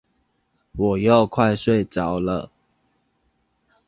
我又快睡著了